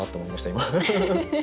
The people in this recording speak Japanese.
今。